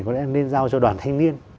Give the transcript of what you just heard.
có lẽ nên giao cho đoàn thanh niên